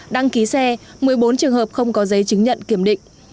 đăng ký xe một mươi bốn trường hợp không có giấy chứng nhận kiểm định